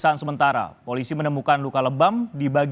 yang tewas pada jumat pagi